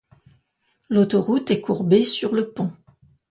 L'autoroute est courbée sur le pont.